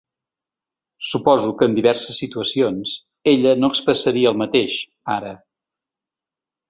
Suposo que en diverses situacions ella no expressaria el mateix, ara.